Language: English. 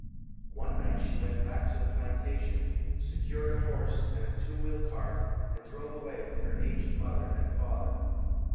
One night she went back to the plantation, secured a horse and a two wheel cart and drove away with her aged mother and father.